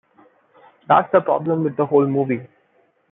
That's the problem with the whole movie.